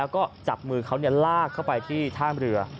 ก็เชื่อมึงเขาลากเข้าไปที่ทางเรือ